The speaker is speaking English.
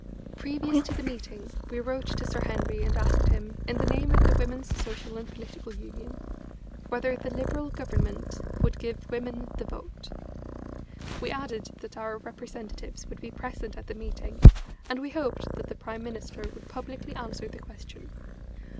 Previous to the meeting we wrote to Sir Henry and asked him, in the name of the Women's Social and Political Union, whether the Liberal Government would give women the vote. We added that our representatives would be present at the meeting, and we hoped that the Prime Minister would publicly answer the question.